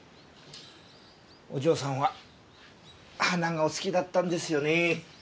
お嬢さんは花がお好きだったんですよね。